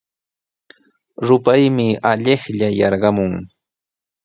Rupaymi allaqlla yarqamun.